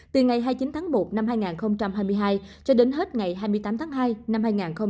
từ ngày hai mươi chín tháng một năm hai nghìn hai mươi hai cho đến hết ngày hai mươi tám tháng hai năm hai nghìn hai mươi bốn